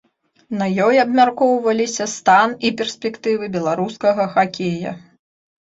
На ёй абмяркоўваліся стан і перспектывы беларускага хакея.